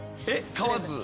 買わず。